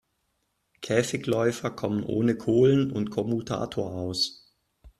Käfigläufer kommen ohne Kohlen und Kommutator aus.